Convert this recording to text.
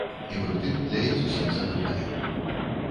І пры тым для іх зусім закрытая.